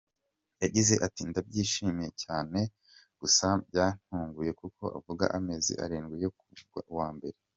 Yagize ati: "Ndabyishimiye cyane, gusa byantunguye kuko avukiye amezi arindwi nk'ayo uwa mbere.